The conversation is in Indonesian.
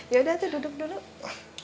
yaudah duduk dulu